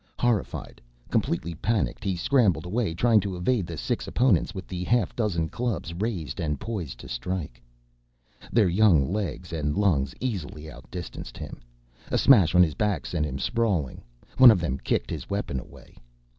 Horrified, completely panicked, he scrambled away, trying to evade the six opponents with the half dozen clubs raised and poised to strike. Their young legs and lungs easily outdistanced him. A smash on his back sent him sprawling. One of them kicked his weapon away.